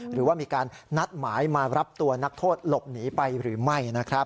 หรือว่ามีการนัดหมายมารับตัวนักโทษหลบหนีไปหรือไม่นะครับ